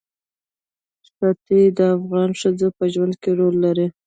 ښتې د افغان ښځو په ژوند کې رول لري.